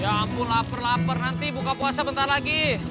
ya ampun lapar lapar nanti buka puasa bentar lagi